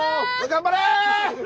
頑張れ！